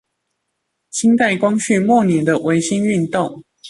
清代光緒末年的維新運動